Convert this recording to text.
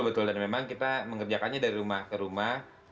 betul dan memang kita mengerjakannya dari rumah ke rumah